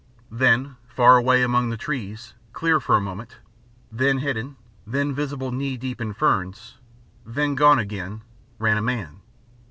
Then, far away among the trees, clear for a moment, then hidden, then visible knee deep in ferns, then gone again, ran a man.